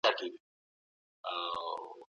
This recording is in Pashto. اولادو ته ئې ور پاته سوه. علامه بابا په خپل ژوند